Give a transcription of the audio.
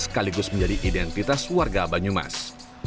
sekaligus menjadi identitas warga banyumas